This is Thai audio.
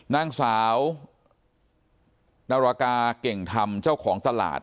นางสาวนรกาเก่งธรรมเจ้าของตลาด